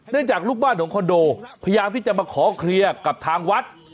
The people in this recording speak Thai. จากลูกบ้านของคอนโดพยายามที่จะมาขอเคลียร์กับทางวัด